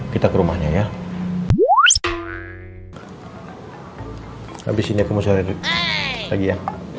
kita ke rumahnya ya habis ini aku mau cari lagi ya